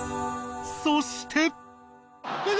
そして。